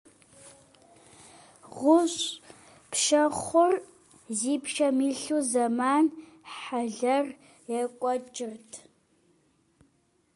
ГъущӀ пщэхъур си пщэм илъу зэман хьэлъэр екӀуэкӀырт.